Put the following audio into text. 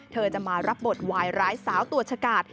เธอจะมารับบทวายร้ายสาวตัวชะกาด